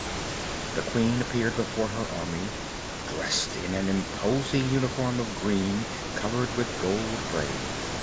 The Queen appeared before her Army dressed in an imposing uniform of green, covered with gold braid.